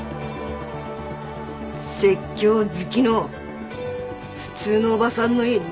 説教好きの普通のおばさんの家にようこそ。